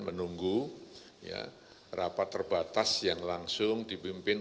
menunggu rapat terbatas yang langsung dipimpin